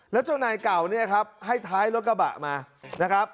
แล้วเจ้านายเก่าเนี่ยครับให้ท้ายรถกระบะมานะครับ